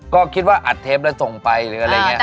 ก็คิดว่าอัดเทปแล้วส่งไปหรืออะไรอย่างนี้